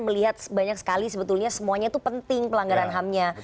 melihat banyak sekali sebetulnya semuanya itu penting pelanggaran hamnya